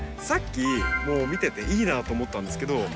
さっきもう見てていいなと思ったんですけど